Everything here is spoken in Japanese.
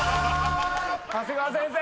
長谷川先生！